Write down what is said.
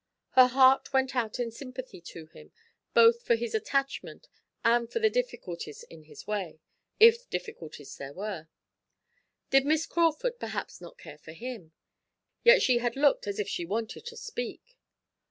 Her heart went out in sympathy to him, both for his attachment and for the difficulties in his way, if difficulties there were. Did Miss Crawford perhaps not care for him? Yet she had looked as if she wanted to speak.